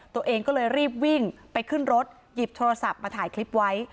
ตัวเองก็เลยรีบวิ่งไปขึ้นรถหยิบโทรศัพท์มาถ่ายคลิปไว้